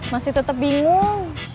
masih tetap bingung